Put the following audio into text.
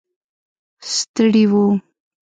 ستړي و.